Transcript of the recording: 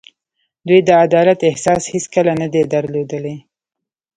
دوی د عدالت احساس هېڅکله نه دی درلودلی.